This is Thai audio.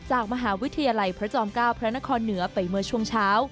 จากมหาวิทยาลัยพระจอม๙พระนครเหนือไปเมื่อช่วงเช้า